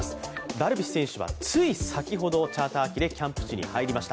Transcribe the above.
ダルビッシュ選手はつい先ほど、チャーター機でキャンプ地に入りました。